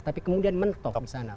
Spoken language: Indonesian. tapi kemudian mentok di sana